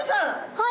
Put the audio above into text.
はい！